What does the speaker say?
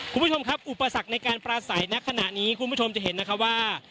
คุณผู้ชมครับอุปสรรคในการปราศัยณขณะนี้คุณผู้ชมจะเห็นนะคะว่า